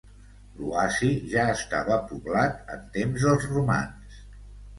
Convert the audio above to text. L'oasi ja estava poblat en temps dels romans.